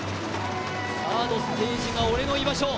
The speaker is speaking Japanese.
サードステージが俺の居場所。